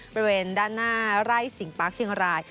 บริเวณด้านหน้าไร่สิงปาร์คเชียงราย